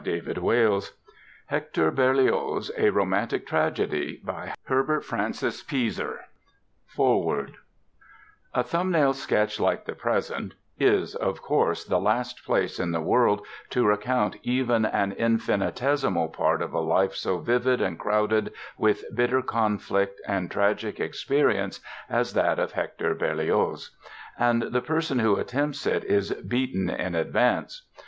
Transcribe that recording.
[Illustration: 1865—Berlioz—Theme from the beginning of the Fantastique Symphony] FOREWORD A thumbnail sketch like the present is, of course, the last place in the world to recount even an infinitesimal part of a life so vivid and crowded with bitter conflict and tragic experience as that of Hector Berlioz; and the person who attempts it is beaten in advance.